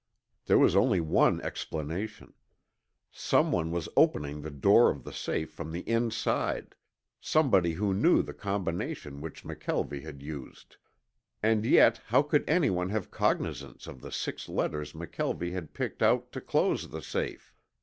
There was only one explanation. Someone was opening the door of the safe from the inside, somebody who knew the combination which McKelvie had used! And yet how could anyone have cognizance of the six letters McKelvie had picked out to close the safe.